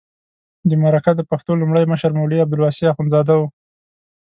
د مرکه د پښتو لومړی مشر مولوي عبدالواسع اخندزاده و.